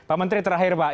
pak menteri terakhir pak